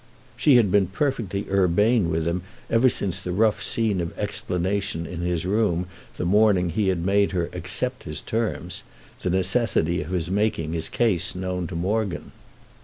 She had been perfectly urbane with him ever since the rough scene of explanation in his room the morning he made her accept his "terms"—the necessity of his making his case known to Morgan.